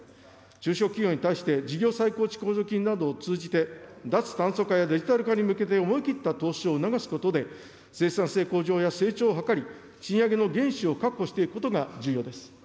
中小企業に対して、事業再構築補助金などを通じて、脱炭素化やデジタル化に向けて思い切った投資を促すことで、生産性向上や成長を図り、賃上げの原資を確保していくことが重要です。